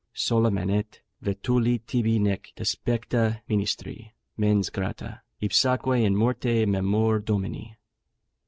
Sola manet, vetuli tibi nec despecta ministri, Mens grata, ipsaque in morte memor domini.